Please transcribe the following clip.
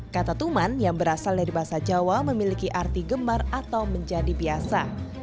kata tuman yang berasal dari bahasa jawa memiliki arti gemar atau menjadi biasa